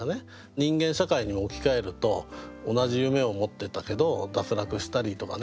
人間社会に置き換えると同じ夢を持ってたけど脱落したりとかね